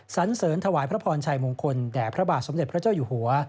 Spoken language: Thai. สันเสริญถวายพระพรชัยมงคลแด่พระบาทสมเด็จพระเจ้าอยู่หัว